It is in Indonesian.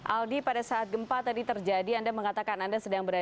aldi pada saat gempa tadi terjadi anda mengatakan anda sedang berada